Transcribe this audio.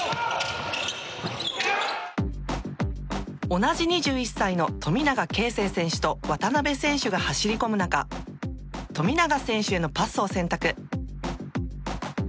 同じ２１歳の富永啓生選手と渡邊選手が走り込む中富永選手へのパスを選択。